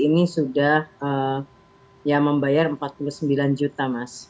ini sudah ya membayar empat puluh sembilan juta mas